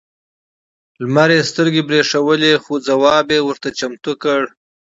لمر یې سترګې برېښولې خو ځواب یې ورته چمتو کړ.